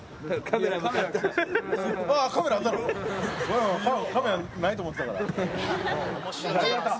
カメラないと思ってたから。